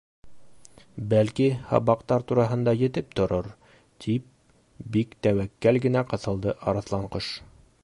—Бәлки, һабаҡтар тураһында етеп торор, —тип бик тәүәккәл генә ҡыҫылды Арыҫланҡош.